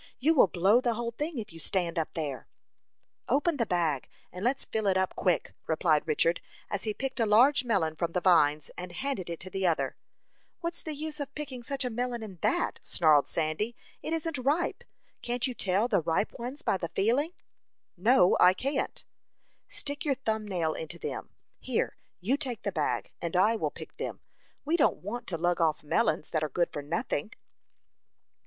"You will blow the whole thing if you stand up there." "Open the bag, and let's fill it up quick!" replied Richard, as he picked a large melon from the vines, and handed it to the other. "What's the use of picking such a melon in that?" snarled Sandy. "It isn't ripe. Can't you tell the ripe ones by the feeling?" "No; I can't." "Stick your thumb nail into them. Here, you take the bag, and I will pick them. We don't want to lug off melons that are good for nothing."